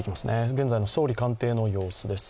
現在の総理官邸の様子です。